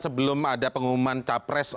sebelum ada pengumuman capres